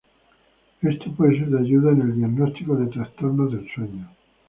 Esto puede ser de ayuda en el diagnóstico de trastornos del sueño.